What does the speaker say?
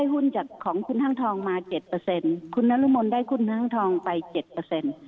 หุ้นของคุณห้างทองมา๗เปอร์เซ็นต์คุณนรมนต์ได้หุ้นของคุณห้างทองไป๗เปอร์เซ็นต์